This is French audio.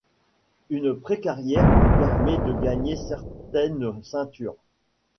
Une pré-carrière lui permet de gagner certaines ceintures.